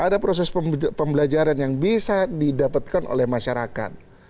ada proses pembelajaran yang bisa didapatkan oleh masyarakat